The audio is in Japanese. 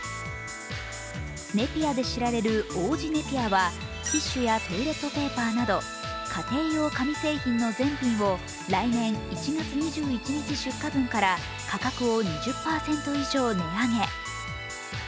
ネピアで知られる王子ネピアは、ティッシュやトイレットペーパーなど家庭用紙製品の全品を来年１月２２日出荷分から価格を２０％以上、値上げ。